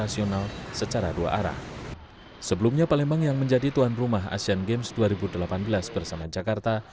sebelumnya palembang yang menjadi tuan rumah asean games dua ribu delapan belas bersama jakarta